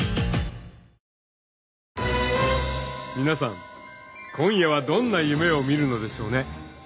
［皆さん今夜はどんな夢を見るのでしょうね？］